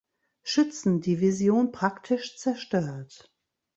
Schützendivision praktisch zerstört.